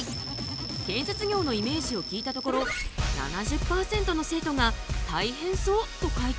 建設業のイメージを聞いたところ７０％の生徒が「大変そう」と回答。